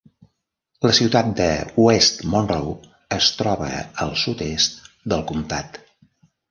La ciutat de West Monroe es troba al sud-est del comtat.